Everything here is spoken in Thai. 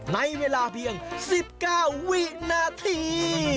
ในเวลาเพียง๑๙วินาที